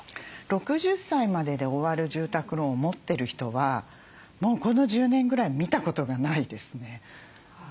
６０歳までで終わる住宅ローンを持ってる人はもうこの１０年ぐらい見たことがないですね。